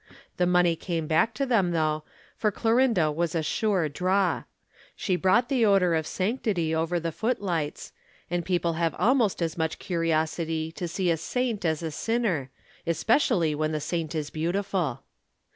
The money came back to them, though, for Clorinda was a sure draw. She brought the odor of sanctity over the footlights, and people have almost as much curiosity to see a saint as a sinner especially when the saint is beautiful.